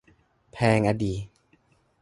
แพงอ่ะดิ